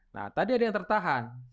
nah tadi ada yang tertahan